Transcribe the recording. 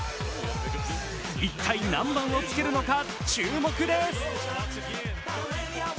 一体何番をつけるのか注目です。